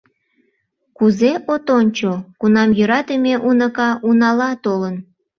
Кузе от ончо, кунам йӧратыме уныка унала толын.